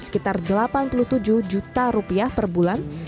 sekitar delapan puluh tujuh juta rupiah per bulan